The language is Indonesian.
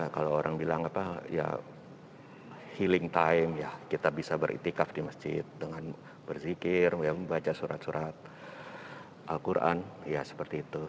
kalau orang bilang healing time kita bisa berikhtikaf di masjid dengan berzikir membaca surat surat al quran seperti itu